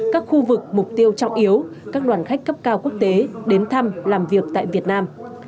các khu vực mục tiêu trọng yếu các đoàn khách cấp cao quốc tế đến thăm làm việc tại việt nam